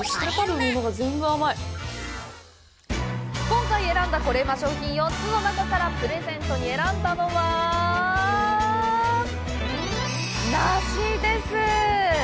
今回選んだコレうま商品４つの中からプレゼントに選んだのは、梨です！